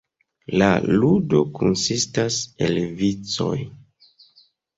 La ludo konsistas el vicoj.